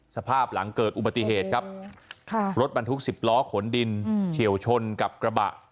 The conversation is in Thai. สภาพหลังเกิดอุบัติเหตุครับรถบรรทุก๑๐ล้อขนดินเฉียวชนกับกระบะ